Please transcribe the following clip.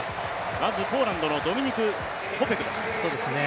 まずポーランドのドミニク・コペクです。